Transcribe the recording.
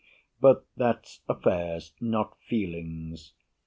But that's affairs, not feelings.